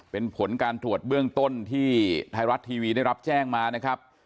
เป็นผลการตรวจเบื้องต้นที่ไทยรัฐทีวีได้รับแจ้งมานะครับ